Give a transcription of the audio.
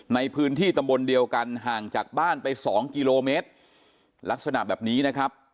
ในพื้นที่ตำบลเดียวกันห่างจากบ้านไปสองกิโลเมตรลักษณะแบบนี้นะครับ